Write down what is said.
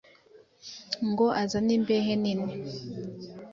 ngo azane imbehe nini,